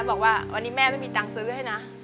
บอกว่าวันนี้แม่ไม่มีตังค์ซื้อให้นะ